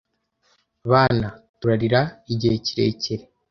bana turarira igihe kirekire